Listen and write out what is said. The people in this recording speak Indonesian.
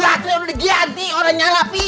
baterai udah diganti orangnya ala vision